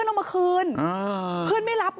หมาก็เห่าตลอดคืนเลยเหมือนมีผีจริง